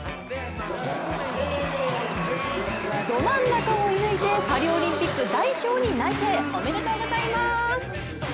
ど真ん中を射ぬいてパリオリンピック代表に内定、おめでとうございます！